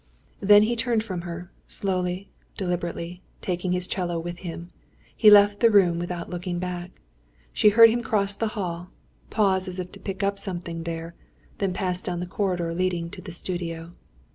Then he turned from her, slowly, deliberately, taking his 'cello with him. He left the room, without looking back. She heard him cross the hall, pause as if to pick up something there; then pass down the corridor leading to the studio.